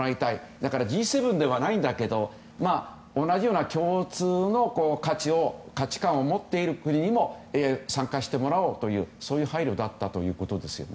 だからＧ７ではないんだけど同じような共通の価値観を持っている国にも参加してもらおうというそういう配慮だったということですね。